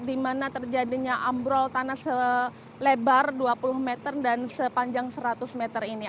di mana terjadinya ambrol tanah selebar dua puluh meter dan sepanjang seratus meter ini